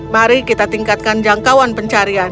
mari kita tingkatkan jangkauan pencarian